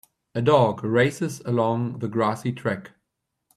A dog races along the grassy track.